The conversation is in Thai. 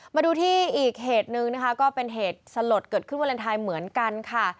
มาดูที่อีกเหตุหนึ่งนะคะก็เป็นเหตุสลดเกิดขึ้นวาเลนไทยเหมือนกันค่ะ